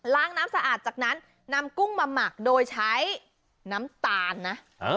น้ำสะอาดจากนั้นนำกุ้งมาหมักโดยใช้น้ำตาลนะ